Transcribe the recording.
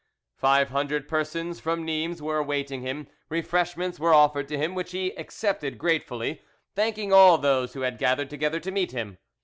Five hundred persons from Nimes were awaiting him; refreshments were offered to him, which he accepted gratefully, thanking all those who had gathered together to meet him.